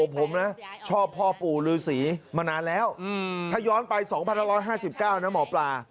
ผมนะชอบพ่อปู่รือสีมานานแล้วถ้าย้อนไปสองพันห้าร้อยห้าสิบเก้านะหมอปลา